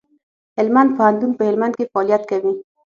هلمند پوهنتون په هلمند کي فعالیت کوي.